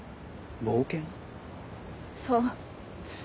そう。